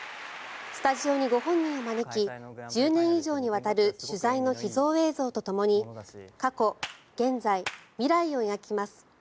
スタジオにご本人を招き１０年以上にわたる取材の秘蔵映像とともに過去、現在、未来を描きます。